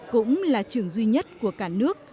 cũng là trường duy nhất của cả nước